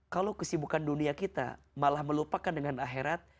kalau kesibukan dunia kita malah melupakan dengan akhirat